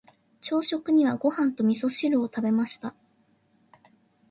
朝食にはご飯と味噌汁を食べました。